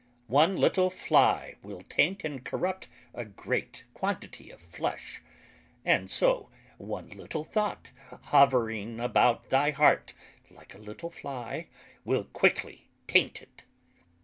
One little Flie will taint and corrupt a great quantity of flesh; and so one little thought hovering about thy heart (like a little Flie) will quickly taint it.